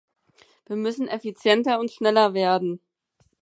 Wir müssen effizienter und schneller werden.